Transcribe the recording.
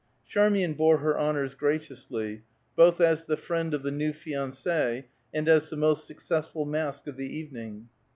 Charmian bore her honors graciously, both as the friend of the new fiancée, and as the most successful mask of the evening.